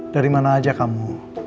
dari mana aja kamu